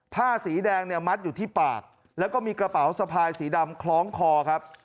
ผ้าสีแดงเนี่ยมัดอยู่ที่ปากแล้วก็มีกระเป๋าสะพายสีดำคล้องคอครับ